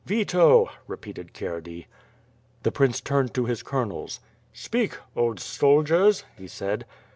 "Veto," repeated Kierdey. The prince turned to his colonels. "Speak, old soldiers," he said.